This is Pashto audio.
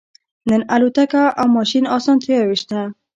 نن الوتکه او ماشین او اسانتیاوې شته